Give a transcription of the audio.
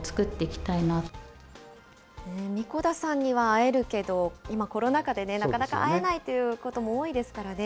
会えるけど、今コロナ禍でなかなか会えないということも多いですからね。